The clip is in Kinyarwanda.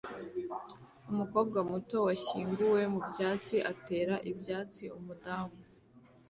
Umukobwa muto washyinguwe mubyatsi atera ibyatsi umudamu